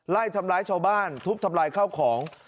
ไล่ทำร้ายชาวบ้านทุบทำลายข้าวของ